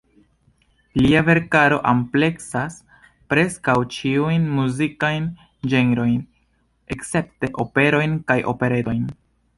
Lia verkaro ampleksas preskaŭ ĉiujn muzikajn ĝenrojn escepte operojn kaj operetojn.